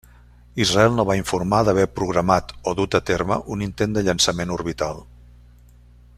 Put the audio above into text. Israel no va informar d'haver programat, o dut a terme un intent de llançament orbital.